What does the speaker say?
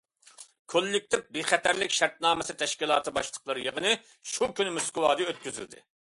كوللېكتىپ بىخەتەرلىك شەرتنامىسى تەشكىلاتى باشلىقلىرى يىغىنى شۇ كۈنى موسكۋادا ئۆتكۈزۈلدى.